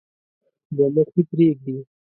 دوه مخي پريږدي.